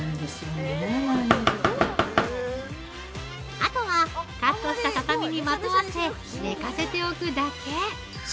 ◆あとは、カットしたささみにまとわせ寝かせておくだけ。